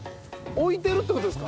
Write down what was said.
置いてるって事ですか？